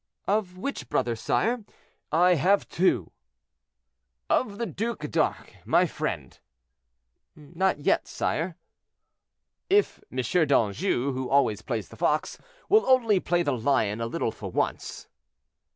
"Of which brother, sire? I have two." "Of the Duc d'Arques, my friend." "Not yet, sire." "If M. d'Anjou, who always plays the fox, will only play the lion a little for once."